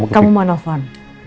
kamu mau nelfon